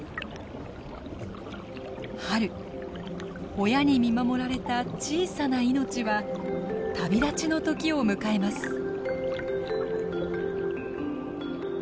春親に見守られた小さな命は旅立ちの時を迎えます。